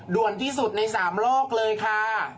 ด่วนที่สุดใน๓โลกเลยค่ะ